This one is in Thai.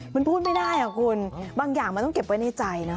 มันพูดไม่ได้อ่ะคุณบางอย่างมันต้องเก็บไว้ในใจนะ